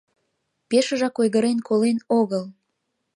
— Пешыжак ойгырен колен огыл...